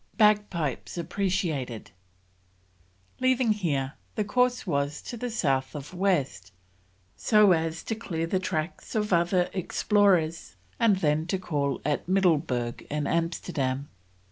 BAGPIPES APPRECIATED. Leaving here, the course was to the south of west so as to clear the tracks of other explorers, and then to call at Middleburg and Amsterdam.